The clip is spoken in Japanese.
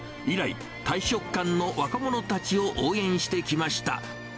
以来、大食漢の若者たちを応援してきました。